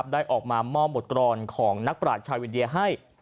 ได้ออกมามอบบทรรณของนักประหลาดชาวิทยาให้